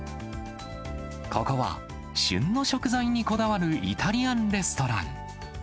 ここは旬の食材にこだわるイタリアンレストラン。